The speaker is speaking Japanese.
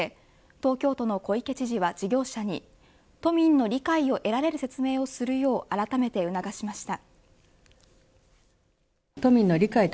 東京都の小池知事は、事業者に都民の理解を得られる説明をするようあらためて促しました。